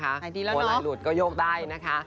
หายทีแล้วเนาะโหลดก็โยกได้นะคะ